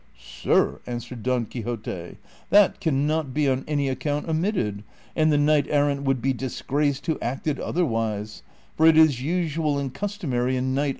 " Sir," answered Don Quixote, " that can not be on any account omitted, and the knight errant would be disgraced who acted otherwise : for it is usual and customary in knight CHAPTER Mil.